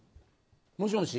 もしもし。